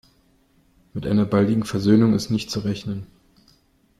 Mit einer baldigen Versöhnung ist nicht zu rechnen.